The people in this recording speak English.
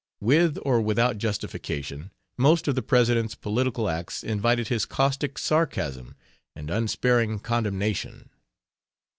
With or without justification, most of the President's political acts invited his caustic sarcasm and unsparing condemnation.